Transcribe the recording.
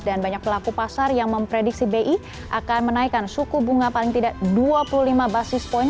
dan banyak pelaku pasar yang memprediksi bi akan menaikkan suku bunga paling tidak dua puluh lima basis point